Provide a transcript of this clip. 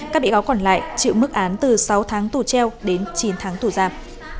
các bị cáo còn lại chịu mức án từ sáu tháng tù treo đến chín tháng tù giam